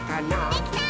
できたー！